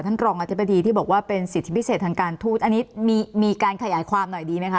รองอธิบดีที่บอกว่าเป็นสิทธิพิเศษทางการทูตอันนี้มีการขยายความหน่อยดีไหมคะ